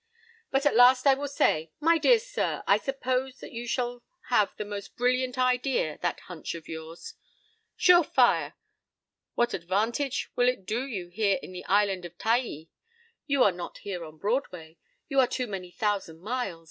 p> "But at last I will say: 'My dear sir, suppose that you should have the most brilliant idea; that "hunch" of yours. "Sure fire." What advantage will it do you here in the island of Taai? You are not here on Broadway. You are too many thousand miles.